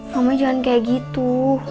mama jangan kayak gitu